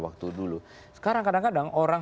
waktu dulu sekarang kadang kadang orang